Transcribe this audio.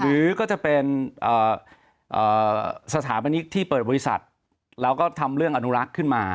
หรือก็จะเป็นสถาปนิกที่เปิดบริษัทแล้วก็ทำเรื่องอนุรักษ์ขึ้นมา